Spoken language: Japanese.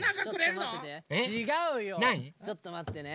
ちょっとまってね。